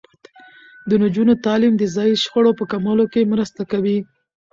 د نجونو تعلیم د ځايي شخړو په کمولو کې مرسته کوي.